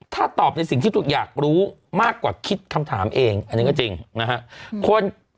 ถ้าตอบในสิ่งที่ตัวเองอยากรู้มากกว่าคิดคำถามเองอันนี้ก็จริงนะฮะ